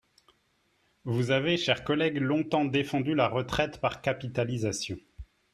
Vous avez, chers collègues, longtemps défendu la retraite par capitalisation.